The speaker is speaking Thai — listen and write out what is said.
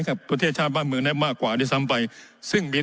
กับประเทศชาติบ้านเมืองได้มากกว่าด้วยซ้ำไปซึ่งมี